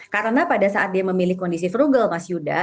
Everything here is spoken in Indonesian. karena pada saat dia memilih kondisi frugal mas yuda